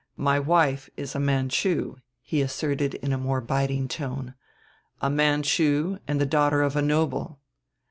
My wife is a Manchu," he asserted in a more biting tone; "a Manchu and the daughter of a noble.